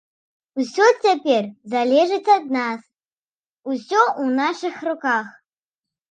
Усё цяпер залежыць ад нас, усё ў нашых руках.